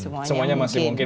semuanya masih mungkin